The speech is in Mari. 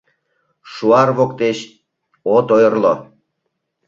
Шуар воктеч от ойырло.